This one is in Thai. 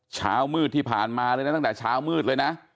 เช้ามืดที่ผ่านมาเลยนะตั้งแต่เช้ามืดเลยนะ